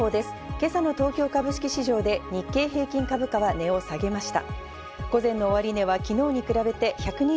今朝の東京株式市場で日経平均株価は値を下げました。